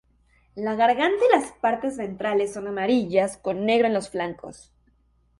La garganta y las partes ventrales son amarillas, con negro en en los flancos.